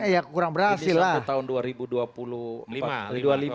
ya kurang berhasil lah ini satu tahun